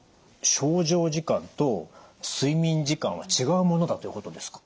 床上時間と睡眠時間は違うものだということですか？